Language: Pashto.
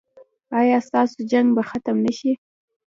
ایا ستاسو جنګ به ختم نه شي؟